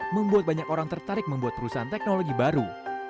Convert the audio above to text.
membuat banyak orang tertarik membuat perusahaan teknologi baru